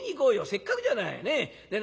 せっかくじゃない。ね？